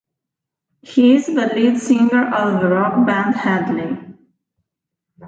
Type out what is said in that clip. He is the lead singer of the rock band Hedley.